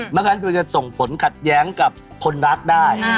เพราะฉะนั้นจะส่งผลขัดแย้งกับคนรักได้